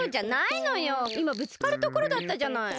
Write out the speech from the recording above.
いまぶつかるところだったじゃない。